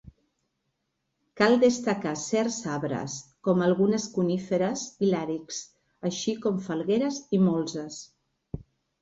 Cal destacar certs arbres, com algunes coníferes i làrix, així com falgueres i molses.